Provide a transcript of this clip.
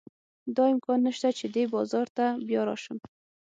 دا امکان نه شته چې دې بازار ته بیا راشم.